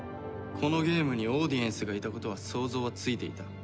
このゲームにオーディエンスがいたことは想像はついていた。